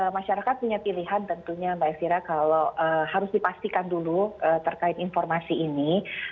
masyarakat punya pilihan tentunya mbak elvira kalau harus dipastikan dulu terkait informasi ini